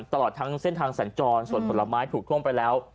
ตลอดทั้งเส้นทางสัญจรส่วนผลไม้ถูกท่วมไปแล้ว